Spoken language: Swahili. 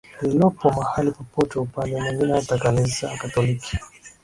lililopo mahali popote Upande mwingine hata Kanisa Katoliki